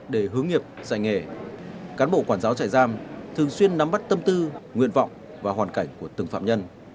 để hướng nghiệp dạy nghề cán bộ quản giáo trại giam thường xuyên nắm bắt tâm tư nguyện vọng và hoàn cảnh của từng phạm nhân